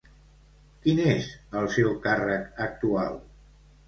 Quin és el seu càrrec actual?